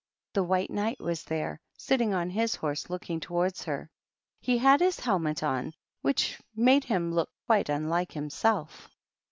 The White Knight was there, sitting on his horse looking towards her. He had his helmet on, which made him look quite unlike himself.